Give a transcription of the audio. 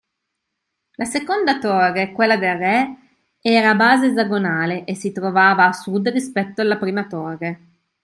La seconda torre, quella del re, era a base esagonale, e si trovava a sud rispetto alla prima torre.